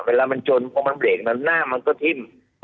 เวลามันชนพอมันเรกมันหน้ามันก็ทิ้ม